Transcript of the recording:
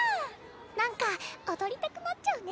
何か踊りたくなっちゃうね。